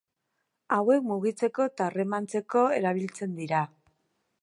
Hauek mugitzeko eta harremantzeko erabiltzen dira.